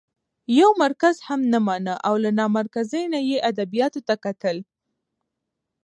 يو مرکز هم نه مانه او له نامرکزۍ نه يې ادبياتو ته کتل؛